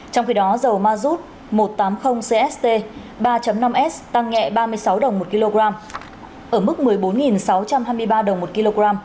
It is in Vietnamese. trong khi đó dầu mazut một trăm tám mươi cst ba năm s tăng nhẹ ba mươi sáu đồng một kg ở mức một mươi bốn sáu trăm hai mươi ba đồng một kg